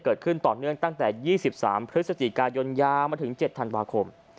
เกิดขึ้นต่อเนื่องตั้งแต่ยี่สิบสามพระศจิกายลยามาถึงเจ็ดธันวาคม